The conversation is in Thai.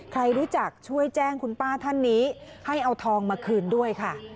ใครรู้จักช่วยแจ้งคุณป้าท่านนี้ให้เอาทองมาคืนด้วยค่ะ